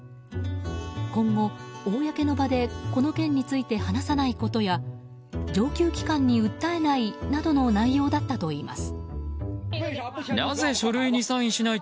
今後、公の場でこの件について一切、話さないことや上級機関に訴えないなどの内容だったといいます。